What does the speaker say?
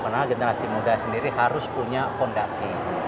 karena generasi muda sendiri harus punya fondasi